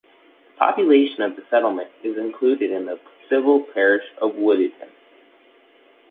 The population of the settlement is included in the civil parish of Woodditton.